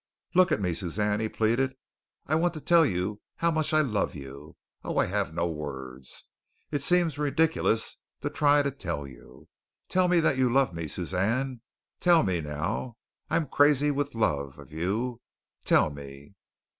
"Look at me, Suzanne," he pleaded; "I want to tell you how much I love you. Oh, I have no words. It seems ridiculous to try to tell you. Tell me that you love me, Suzanne. Tell me now. I am crazy with love of you. Tell me."